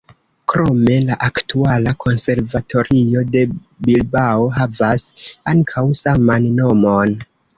Krome la aktuala konservatorio de Bilbao havas ankaŭ saman nomon.